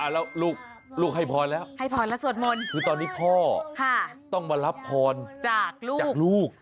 แล้วลูกหาพรค์แล้วคือตอนนี้พ่อต้องมารับพรค์จากลูก